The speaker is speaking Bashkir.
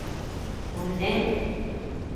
Үҙең